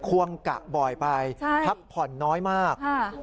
ควงกะบ่อยไปพักผ่อนน้อยมาก